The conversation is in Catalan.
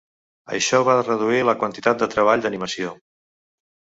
Això va reduir la quantitat de treball d'animació.